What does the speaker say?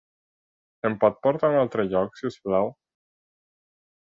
Em pot portar un altre lloc, si us plau?